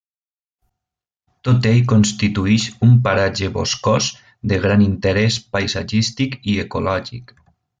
Tot ell constituïx un paratge boscós de gran interès paisatgístic i ecològic.